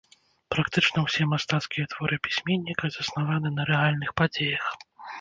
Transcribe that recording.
Практычна ўсе мастацкія творы пісьменніка заснаваны на рэальных падзеях.